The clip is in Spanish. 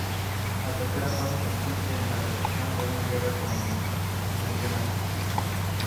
La tercera fase consiste en la transición a una guerra convencional.